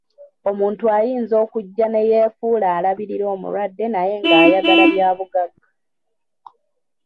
Omuntu ayinza okujja ne yeefuula alabirira omulwadde naye nga ayagala bya bugagga.